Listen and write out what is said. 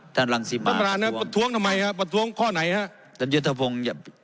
ท่านลังสิบมาประท้วงประท้วงทำไมฮะประท้วงข้อไหนฮะท่านยุทธภง